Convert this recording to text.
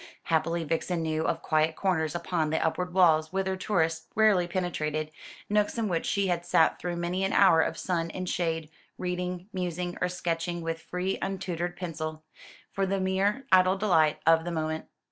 Happily Vixen knew of quiet corners upon the upward walls whither tourists rarely penetrated; nooks in which she had sat through many an hour of sun and shade, reading, musing, or sketching with free untutored pencil, for the mere idle delight of the moment.